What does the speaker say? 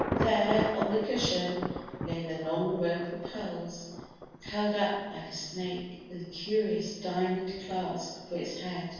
There, on the cushion, lay the long rope of pearls curled up like a snake, with the curious diamond clasp for its head.